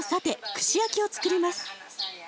串焼きをつくります。